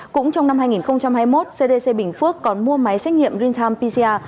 cũng trong năm hai nghìn hai mươi một cdc bình phước còn mua máy xét nghiệm rintam pcr